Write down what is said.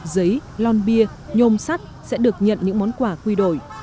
giấy lon bia nhôm sắt sẽ được nhận những món quà quy đổi